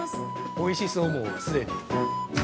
◆おいしそう、もう既に。